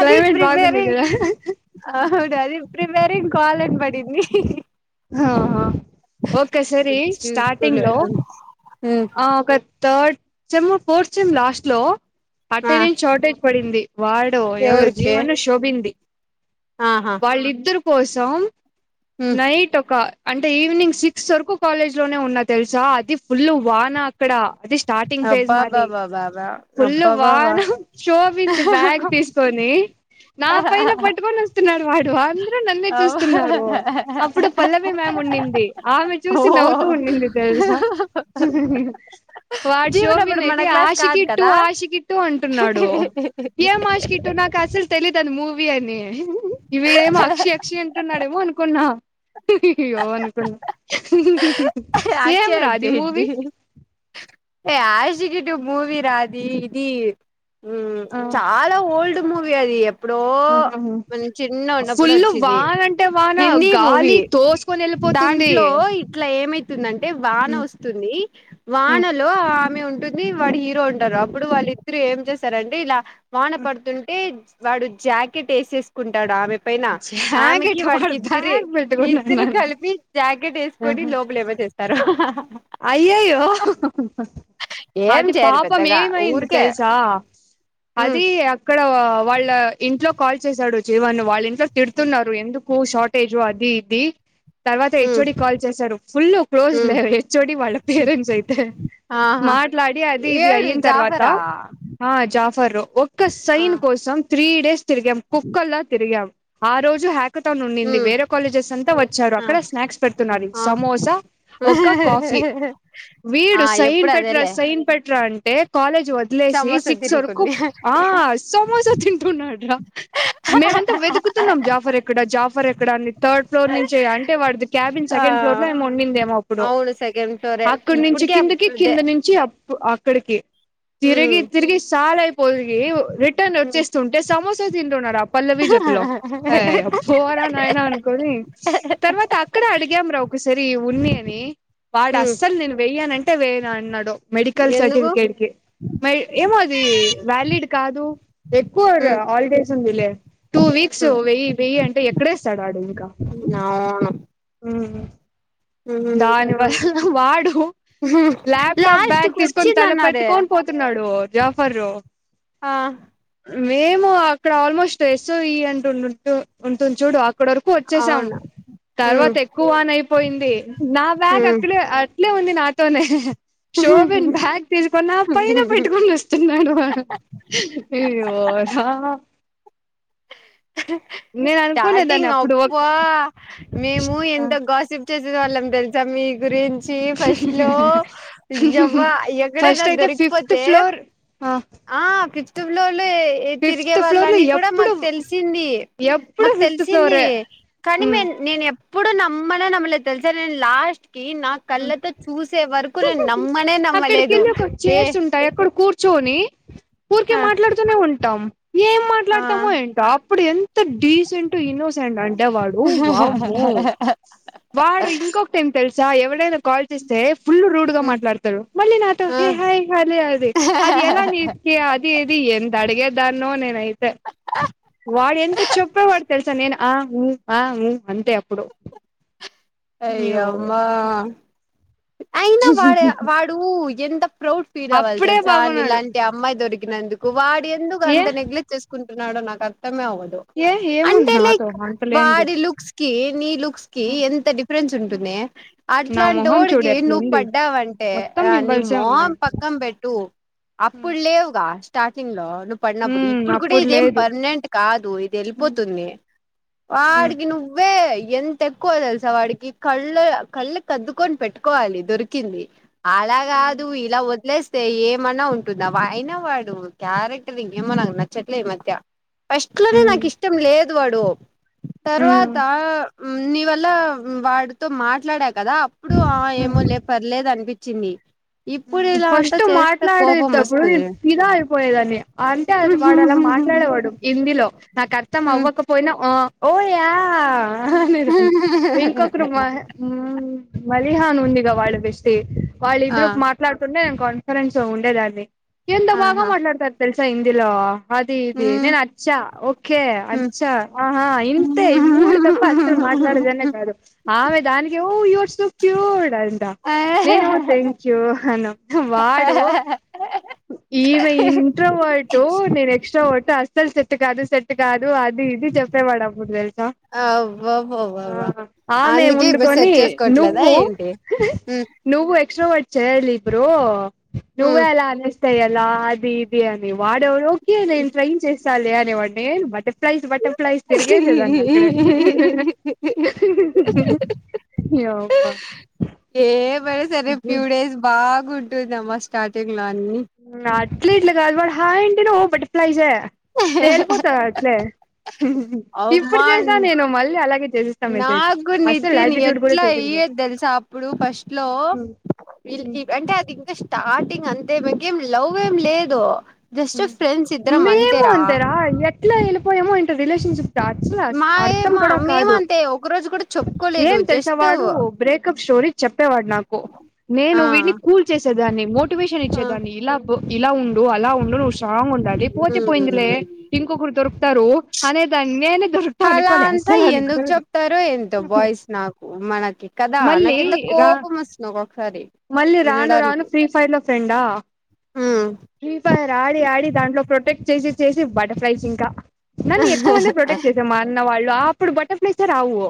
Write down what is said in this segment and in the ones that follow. అది క్లైమేట్ బాగుంది ప్రిపేరీ కదా అవు అది ప్రిపెరింగ్ కాలేజ్ పడింది ఆహా ఓక సరి స్టార్టింగ్ చూసుకోలే లో ఆ ఒక third sem fourth sem last లో ఆ అట్టనేస్ షార్టేజ్ పడింది వాడు ఎవడు ఎవరికి జీవన్ శోభింది ఆహా వాళ్ళిద్దరు కోసం నైట్ ఒక అంటే ఈవినింగ్ సిక్స్ వరకు కాలేజ్ లోనే ఉన్నా తెలుసా అది ఫుల్ వాన అక్కడ అదిస్ స్టార్టింగ్ ఫేజ్ మాది అబ్బాబ్బాబ్బాబ్బా ఫుల్ అబ్బాబ్బాబ్బా వాన శోబింది బ్యాగ్ తీసుకొని నా పైన పట్టుకొని వస్తున్నాడు వాడు అందరు నన్నే అవ్ చూస్తున్నారు అప్పుడు పల్లవి మ్యమ్ ఉన్నింది ఆమె ఓ చూసి నవ్వుతూ ఉన్నింది తెలుసా వాడు జీవన్ అప్పుడు శోభిన్ మన అయితే క్లాస్ కాదు ఆషికి టు కదా ఆషికి టు అంటున్నాడు ఎం ఆషికిట్టు నాకు అసలు తె తెలీదని మూవీ అని ఈ వీడేమో అక్షి అక్షి అంటున్నాడేమో అనుకున్నా యాక్ట్ ఏం రా అది మూవీ చేయండి ఏ ఆషికీటు మూవీ రాది ఇది ఆ చాలా మ్ ఓల్డ్ మూవీ అది ఎప్పుడో ఆహా మేం చిన్న ఉన్నప్పుడు ఫుల్ వచ్చింది వాన అంటే వాన హిందీ గాలి మూవీ తోసుకొని వెళ్ళిపోతుంది దాంట్లో ఇట్ల ఏమీ వస్తుందంటె వాన హ్మ్ వస్తుంది హ్మ్ వానలో ఆమె ఉంటుంది వాడి ఇంట్లో ఉంటారు హ్మ్ అప్పుడు వాళ్ళిద్దరు ఏం చేస్తారంటే ఇలా వాన పడుతుంటే వాడు జాకెట్ ఎసేసుకుంటాడు ఆమె పైన ఆమెకి జాకెట్ వాడు వాడికిద్దరె బ్యాగ్ ఇద్దురు పెట్టుకున్నాన్నాను కలిపి జాకెట్ ఎసుకొని లోపల ఏవో చేస్తారు అయ్యయో ఏం అది చేయరు పాపం పెద్దగా ఏమయింది ఊరికే తెలుసా ఉమ్ అది అక్కడ వాళ్ళ ఇంట్లో కాల్ చేశాడు జివన్ వాళ్ళు ఇంట్లో తిడుతున్నారు ఎందుకు షార్టేజ్ అది ఇది తర్వాత ఉమ్ హెచ్ఓడి కాల్ చేశారు ఫుల్ క్లోజ్ లే ఉమ్ కానీ వాళ్ళ పేరెంట్స్ అయితే ఆహా మాట్లాడి అది ఇది ఏడు అయిన తర్వాత జాఫరా ఆ ఆఫర్ ఒక్క ఆ సైన్ కోసం త్రీ డేస్ తిరిగాం కుక్కలా తిరిగాం ఆ రోజు హా ఒకటని ఉన్నింది ఉమ్ వేరే కాలేజెస్ అంతా వచ్చారు ఆ అక్కడ స్నాక్స్ పెడుతున్నారు ఆ సమోసా ఒక ఆ వీడు సైన్ ఎప్పుడు పెట్రా అదేలే సైన్ పెట్రా అంటే కాలేజ్ వదిలేసి సమోసా సిక్స్ వరకు తినుకుంది ఆ సమోసా తింటున్నాడ్ రా మేమంతా వెతుకుతున్నాం జాఫర్ ఎక్కడ జాఫర్ ఎక్కడా అని థర్డ్ ఫ్లోర్ నుంచి అంటే వాడిది క్యాబిన్ ఆ సెకండ్ సెకండ్ ఫ్లోర్లో ఎమో ఉన్నిందేమో అప్పుడు అవును సెకండ్ ఫ్లోరే అక్కడి నుంచి ఇప్పుటికే కిందికి అదే కింది నుంచి అప్పు అక్కడికి తిరిగి ఉమ్ తిరిగి సాల్ అయిపోయి రిటర్న్ ఉమ్ వచ్చేస్తుంటే సమోసా తింటున్నారు ఆ పల్లె ఆ పోరా నాయనా అనుకని తర్వాత అక్కడే అడిగాంరా ఒకసారి ఉన్ని వాడు ఉమ్ అస్సలు నేను వెయ్యానంటే వేయను అన్నాడు మెడికల్ ఎందుకు సర్టిఫికేట్ కి మరి ఏమోది వ్యాలిడ్ కాదు ఎక్కువ ఉమ్ హాలిడేస్ ఉంది లే టూ వీక్ విక్స్ ఉహు వెయ్యి వెయ్యి అంటే ఎక్కడేస్తాడు ఆడు ఇంకా అవును ఉహు దానివల్ల వాడు ల్యాప్టాప్ లాస్ట్ బ్యాగ్ కు తీసుకొని తల వచ్చిందన్నారే పెట్టుకొని పోతున్నాడు జాఫరు ఆ మేము అక్కడ ఆల్మోస్ట్స్మో ఎస్వి అంటూ ఉన్ ఉంటుంది చూడు ఇక్కడ వరకు వచ్చేసాం అవును తర్వాత ఉమ్ ఎక్కువ వానయిపోయింది నా బ్యాగ్ ఉమ్ అక్కడే అట్లే ఉంది నాతోనే శోబిన్ బ్యాగ్ తిసుకున్న పైన పెట్టుకుని వస్తున్నాడు అయ్యో పోరా అనుకోలేదాన్ని స్టార్టింగ్ అప్పుడు అప్ప మేము ఎంత గాసిప్ చెసేసే వాళ్ళం తెలుసా మీ గురిం వచ్చి ఫస్ట్ లో యవ్వ ఎక్కడెగా ఫస్ట్ అయితే ఫిఫ్త్ దొరికిపోతే ఫ్లోర్ ఆ ఫిఫ్త్ ఫ్లోర్ లో తిరిగే ఫిఫ్త్ ఫ్లోర్ లో వాళ్ళని కూడా ఎప్పుడు మాకు తెలిసింది ఎప్పుడు మాకు ఫిఫ్త్ తెలిసింది ఫ్లోరే కానీ మే నేను ఎప్ ఇప్పుడు నమ్మలె నమ్మలేద్ తెలుసా నేను లాస్ట్ కి నా కళ్ళతో చూసే వరకు నేను నమ్మనే అక్కడికి నమ్మలేదు వెళ్ళి ఒక ఏ చైర్స్ ఉంటాయి అక్కడ కూర్చొని ఊరికే ఆ మాట్లాడుతూనే ఉంటాం ఏం మా ఆ మాట్లాడతామో ఏంటో అప్పుడు ఎంత డీసెంట్ ఇన్నోసెంట్ అంటే వాడు వామ్మో వాడు ఇంకొకటి ఏం తెల్సా ఎవ్వడైన కాల్ చేస్తే ఫుల్ రూడ్ గా ఉమ్ మాట్లాడతారు మళ్ళీ నాతో ఆ హే హాయ్ హలి అది ఎలా అని కె అది ఇది ఎంత అడిగే దాన్నో నేనైతే వాడెంత చెప్పే వాడు తెలుసా నేను ఆ ఉఊ ఆ ఊ అంతే అప్పుడు అయ్యో అయ్యమ్మా అయినా వాడ వాడు ఎం ప్రౌడ్ ఫీల్ అవ్వాలి అప్పుడే తెల్సా ని బాగున్నాడు లాంటి అమ్మాయి దొరికినందుకు వాడేందుకు ఏ అంత నెగ్లెక్ట్ చేసుకుం న్నాడో నాకు అర్థమే అవ్వదు ఏ ఏముంది అంటే నాతో లైక్ అంతలేంది వాడి లుక్స్ కి నీ లుక్స్ కి ఎంత డిఫరెన్స్ ఉంటుంది నా మొహం అట్లాంటోడి చూడు నువ్వు ఎట్లుంది పడ్డావంటే మొత్తం ఆ నీ పింపుల్సే మొహం ఉన్నాయి పక్కం పెట్టు అప్పుడు లేవుగా స్టార్టింగ్ లో నువ్వు పడినప్పుడు ఉమ్ ఇప్పుడు కూడా అప్పుడు ఇదేం లేదు పర్మనెంట్ కాదు ఇది వెళ్ళిపోతుంది ఉమ్ వాడికి నువ్వే ఎంత ఎక్కువ తెలుసా వాడికి కళ్ళే కళ్ళు కద్దుకొని పెట్టుకోవాలి దొరికింది అలాగాదు ఇలా వద్లేస్ తె ఏమన్నా ఉంటుందా వ అయినా వాడు క్యారెక్టర్ ఏమన్నా ఎమో నాకు నచ్చట్లే ఈ మధ్య ఫస్ట్ లోనే నాకు ఇష్టం లేదు వాడు ఉమ్ తర్వాత నీ వల్ల వాడితో మాట్లాడా కదా అప్పుడు ఆ ఏమో లే పర్లేదు అనిపించింది ఇప్పుడు ఇలా అంతా ఫస్ట్ చేస్తే కోపం మాట్లాడేటప్పుడు వస్తది నేను ఫిదా అయిపోయేదాన్ని అంటే అది వాడలా మాట్లాడేవాడు హిందీలో నాకు అర్థం అవ్వకపోయినా ఒ ఓ యా అనేదాన్ని వింకొకరు మా మదిహ అని ఉందిగా వాళ్ళ బెస్టి వాళ్ళు ఆ ఇద్దరు మాట్లాడుతుంటే నేను కాన్ఫిరెన్స్ ఉండేదాన్ని ఎంత బగా ఆహా మాట్లాడుతారు తెలుసా హిందీలో అదే ఇది నేను అచ్చ ఓకే అచ్చా ఆహ ఇంతే ఈ మూడు దప్ప అస్సల్ మ మాట్లాడేదానే కాదు ఆమె దానికి ఓ యూర్ సో క్యూర్ అంట నేను టెన్ యో వన్నెమ్మ వాడు ఈమే ఇంట్రోవర్టు నేను ఎక్స్ట్రోవర్టు అస్సలు సెట్ కాదు సెట్ కాదు అది ఇది చెప్పేవాడు అప్పుడు తెల్సా అబ్బబ్బబ్బ ఆమె అందుకే ఇప్పుడు సెట్ ఉండుకొని చేసుకోవట్లేదా నువ్వు ఏంటి హ్మ్ నువ్వు ఎక్సట్రోవర్ట్ చేయాలి బ్రో హ్మ్ నువ్వే అలా అనేస్ తెయలా అది ఇది అని వాడేవడోకి నేను ట్రైన్ చేస్ సల్లి అనేవాన్నీ బటర్ఫ్లైస్ బటర్ఫ్లైస్ బటర్ఫ్లై తిరిగేసే దాన్ని అక్కడే ఏమబ్బ ఏమైన సరే ఫ్యూ డేస్ బాగా ఉంటుంది అమ్మ స్టార్ట్ంగ్ అట్లే ఇల కాదు హాయ్ అంటేనే ఓ బటర్ఫ్లైస్ ఏ తెల్పోత అట్లే ఇప్పుడు అమ్మా చేశ్న నేను మళ్ళీ అలాగే చేసిస్తా మెసేజ్ నాకు అస్సల్ నితిన్ యాటిట్యూడ్ కూడా ఎట్లా చూపిచను అయ్యేది తెలుసా అప్పుడు ఫస్ట్ లో అంటే అది ఇంకా స్టార్టింగ్ అం కేం లవ్ ఏం లేదు జస్ట్ ఫ్రెండ్స్ ఇద్దరం మేము అంతేరా ఎట్లా ఎళ్ళిపోయామో ఎంటో రిలేషన్షిప్ అచ్చిన అస్ మా అర్థం ఏమ కూడా కాదు మేమంతే ఒక రోజు కూడా చెప్పుకోలేదు ఏం తెలుస జస్ట్ వాడు బ్రేకప్ షో రి చెప్పేవాడు నాకు నేను ఆ వీటిని కూల్ చేసేదాన్ని మోటివేషన్ ఆ ఇచ్చేదాన్ని ఇలా ఇలా ఉండు అలా ఉండు నువ్ స్ట్రాంగ్ ఉండాలి పోతేపోయిందిలే ఇంకొకరు దొరుకుతారు అనే దాన్ని నేను అలా అంత ఎందుకు చెప్తారు ఎంటో బాయ్స్ నాకు మనకి కదా మళ్ళీ నాకెంత కో రా కోపం ఒస్తుంది ఒక్కొక్కసారి మళ్ళీ రాను రాను వినడానికి ఫ్రీ ఫైర్ లో ఫ్రెండా ఉమ్ ఫ్రీ ఫైర్ ఆడి ఆడి దాంట్లో ప్రొటెక్ట్ చేసి చేసి బటర్ ఫ్రైస్ ఇంకా నన్ను ఎక్కువ అంటే ప్రొటెక్ట్ చేసా మా అన్న వాళ్ళు అప్పుడు బటర్ఫ్లై రావు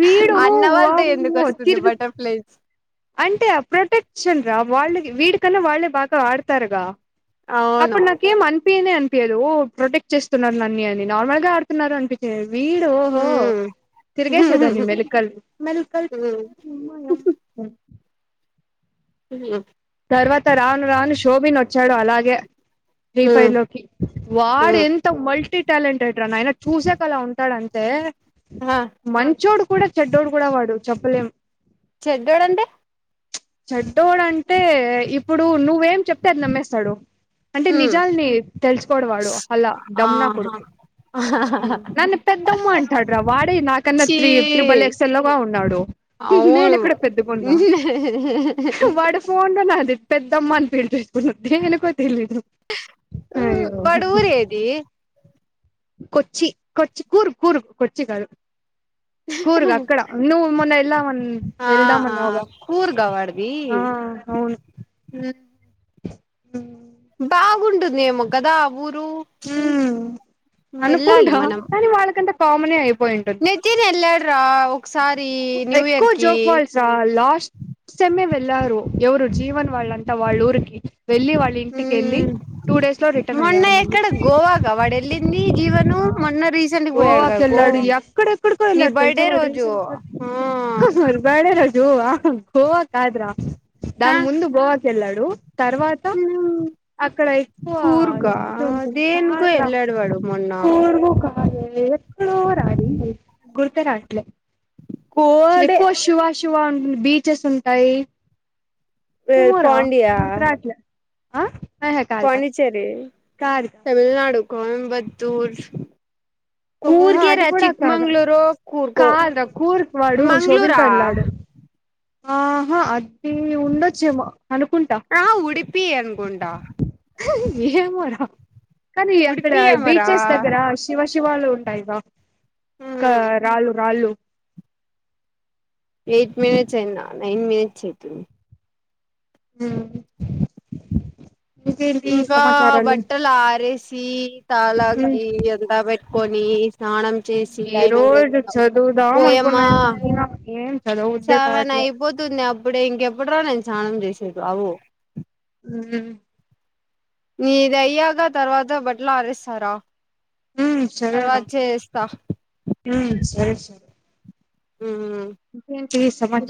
వీడు అన్న వాళ్ళతో ఎందుకు వామ్మో వస్తుంది తిరిగి బటర్ఫ్లైస్ అంటే ప్రొటెక్షక్షన్ రా వాళ్ళ వీడికన్నా వాళ్ళే బాగా ఆడతారుగా అవును అప్పుడు నాకేం అం అనిపియనే అనిపియదు ప్రొటెక్ట్ చేస్తున్నారు అన్నీ అని నార్మల్ గా ఆడుతున్నారు అనిపించింది వీడు ఓహో ఉమ్ తిరిగేసేదాని మెలకళ్ మెలకళ్ ఉమ్ హు తర్వాత రాను రాను షోభిన్ వచ్చాడు అలాగే ఫ్రీ ఫైర్ ఉమ్ లోకి వాడు ఉమ్ ఎంత మల్టీ టాలెంటెడ్ రా నయన చూసాక అలా ఉంటాడంతే ఆ మంచోడు కూడా చెడ్డోడు కూడా వాడు చెప్పలేం చెడ్డోడంటే చెడ్డోడు అంటే ఇప్పుడు నువ్వేం చెప్తే అది నమ్మేస్తాడు అంటే ఉమ్ నిజాలని తెలుసుకోవడ వాడు అలా దమున్న ఆహా కొడుకు ఉ నన్ను పెద్దమ్మ అంటాడు రా వాడే నాకన్నా చీ త్రి త్రిబల్ ఎక్స్ లోగా ఉన్నాడు నేను అవును ఎక్కడ పెద్దగున్న వాడు ఫో పొన్నది అది పెద్దమ్మ అని పిలిచి చేసు తెలీదు అయ్యో వాడు ఊరేది కొచ్చి కొచ్చి కూరు కూరు కొచ్చి కాదు కూర్గా అక్కడ ను మొన్న ఎల్వాన్ ఆ ఏళదాం ఆ మన్నావుగ కూర్గా వాడిది అ అవును టుందేమో కదా ఊ ఉమ్ వెళ్ళాలి అనుకుందా మనం కానీ వాళ్ళకంత కామనే అయిపోయి ఉంటుంది రావో ఎక్కువ జోక్ వాల్స లాస్ట్ సెమీవే లారు ఎవరు జీవన్ వాళ్ళంతా వాళ్ళ ఊరికి వెళ్ళి వాళ్ళఇంటికేళ్ళి మ్మ్ టూ డేస్ లో రిటర్న్ మొన్న అయ్యారు మళ్ళీ ఎక్కడ గోవాగా వాడు వెళ్ళింది జీవను అ మొన్న రీసెంట్గా పోయాడుగా గోవాకి గో వెళ్ళాడు ఎక్కడెక్కడికో నీ వెళ్ళాడు బర్త్డే తెలుసా వాడు రోజు రీసెంట్ మర్ బాడే రాజు గోవ కాద్ర ఆ దాని ముందు బ్రో వా ఎళ్ళాడు తర్వాత అక్కడ ఎక్కువ ఇ కూర్గా ఉంటుంది దేనికో కాద్ర వెళ్ళాడు వాడు మొన్న కోరుగు కాలే ఎక్కడోర అది గుర్తు రాట్లే కోడే ఎక్కువ శువా శువా ఉంట బీచెస్ ఉంటాయి ఏమో ర గుర్తు రాట్లే ఆ ఆహా కాదు కాదు పాండిచెర్రీ కాదు తమిళనాడు కోయంబత్తూర్ అహా అది కూడా కాదు కాదా కూర్కి వాడు శోభిన్ తో వెళ్ళాడు ఆహా అది ఉండొచ్చేమో అనుకుంటా ఆ ఉడిప్పి అనుకుంటా హి ఏమో రా కానీ అక్కడ ఉడిపి ఏమరా బీచెస్ దగ్గర శివ వాళు ఉంటాయిర కా మ్మ్ రాళ్ళు రాళ్ళు ఎయిట్ మినిట్స్ అయినా నైన్ మినిట్స్ అయితుంది. హ్మ్ ఇంకా సమాచారాలు బట్టలు ఆరేసి ఉమ్ తలకి ఎండబెట్ కొని స్నానం చేసి ఈ టైం ఎంత రోజు అయితుందో చదువుదాం అనుకున్నా ఓయమ్మా ఏమైనా ఏం చదవబుద్దే సెవెన్ కావట్లే అయిపోతుంది అబ్ ఇప్పుడే ఇంకెప్పుడు రా నేను సానం చేసేది అవో హ్మ్ నీది అయ్యాక తర్వాత బట్టలు అరెస్తారు ఉమ్ తర్వాత చేస్తా హ్మ్ సరే సరే మ్మ్ ఇంకేం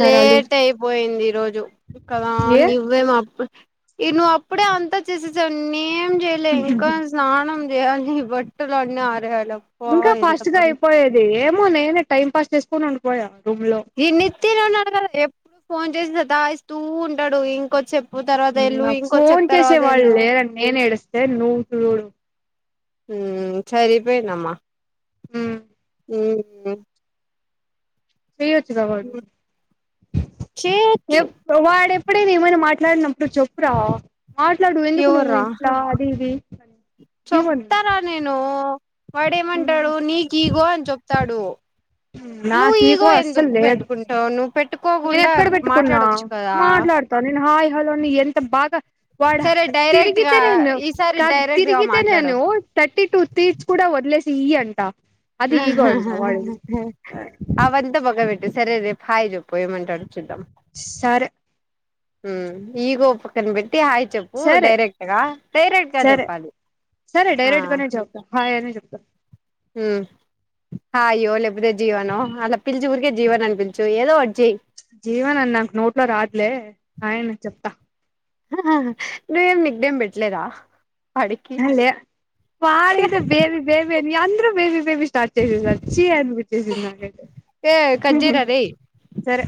లేట్ అయిపోయింది ఈరోజు కదా ఏ నువ్వే మా ఈ నువ్ అప్పుడే అంతా చేసేసావు. నేనేమ్ చెయలే ఇంకా స్నానం చేయాలి బట్టులు అన్ని ఆరేయాలి. అబ్బా ఇంకా ఎంత ఫాస్ట్ గా పని అయిపోయేది. ఏమో నేనే టైం పాస్ చేసుకొని ఉండిపోయా రూమ్ లో ఇన్ని తినే ఉన్నాడు కదా ఎప్పుడు ఫోన్ చేసి సత్తాఇస్తూ ఉంటాడు ఇంకొద్దిసేపు హ్మ్ నాకు ఫోన్ చేసే వాళ్ళు లేరని నేను ఏడుస్తే నువ్వు చూడు హ్మ్ సరిపోయిందమ్మ హ్మ్ ఉ చేయొచ్చు గ వాడు చేయొచ్చు ఎప్పుడు వాడేప్ డ్ అప్పుడే ఏమైనా మాట్లాడినప్పుడు చెప్పురా మాట్లాడు ఎందుకు నువ్వు ఎవర్రా ఇట్లా అది ఇది చెప్తారా నేను వాడేమంటాడు నీకు ఇగో అని చెప్తాడు నువ్వు నాక్ ఇగో ఈగో అసల్ ఎందుకు లేదు పెట్టుకుంటావు నువ్వు నేను పెట్టుకోకుండా ఎక్కడ పెట్టుకున్నా మాట్లాడొచ్చు కదా మాట్లాడతాను నేను హాయి హాలోని ఎంత బాగా వాడ సరే డైరెక్ట్ గా తిరిగితే నేను ఈసారి క డైరెక్ట్ గా మాట్లాడు తిరిగితేనేను థర్టీ టూ తీత్స్ కూడా వదిలేస్ ఈ అంట అది ఈగో అంట వాడిది హహహ అవి అంత పక్కన పెట్టు సరే రేపు హాయ్ చెప్పు పోయమం అంటాడో చూద్దాం సరే హ్మ్ ఈగో పక్కన పెట్టి హాయి చెప్పు సరే డైరెక్టుగా డైరెక్టుగా సరే చెప్పాలి. సరే డైరెక్ట్ గానే చెప్తా హాయ్ అనే చెప్తా హ్మ్ హాయో లేపోతే జీవనో అలా పిలిచి ఊరికే జీవన్ అని పిల్చు ఏదో ఒకటి చెయ్ జీవనన్న నాకు నోట్లో రావట్లే హాయ్ అనే చెప్తా హాహా నువేం నిక్నేమ్ పెట్టలేదా వాడికి హ లే వాడ్ ఏందో బేబీ బేబీ అని అందరు బేబీ బేబీ స్టార్ట్ స్టార్ట్ చేసేసారు చి అనిపించింది నాక్ అయితే ఏ కట్ చేయరా రేయ్ సరే